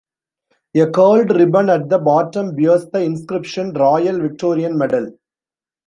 A curled ribbon at the bottom bears the inscription, "Royal Victorian Medal".